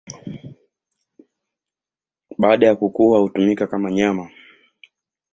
Baada ya kukua hutumika kama nyama.